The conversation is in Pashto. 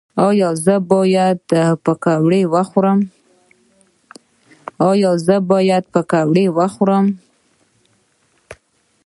ایا زه باید پکوړه وخورم؟